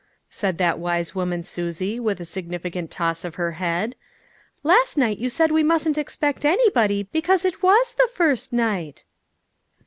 said that wise woman Susie with a significant toss of her head ;" last night you said we mustn't expect anybody because it was the first night."